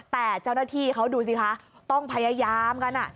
แต่เจ้าหน้าที่เขาดูสิคะต้องพยายามกัน